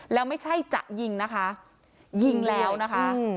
แล้วไม่ใช่จะยิงนะคะยิงแล้วนะคะ